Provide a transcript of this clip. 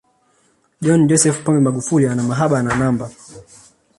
john joseph pombe magufuli ana mahaba na namba